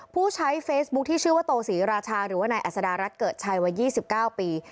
ผู้ใช้เฟซบุ๊คที่ชื่อว่าโตศรีราชาหรือว่านายอัศดารัฐเกิดชัยวัย๒๙ปี